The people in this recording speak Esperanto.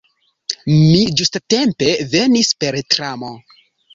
Mi ĝustatempe venis per tramo.